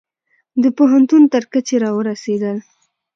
د پوهنتون تر کچې را ورسیدل